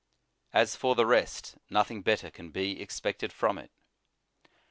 As for the rest, nothing better can be expected from it.